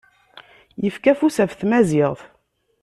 Yefka afus ɣef tmaziɣt.